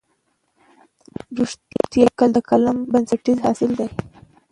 رښتیا لیکل د کالم بنسټیز اصل دی.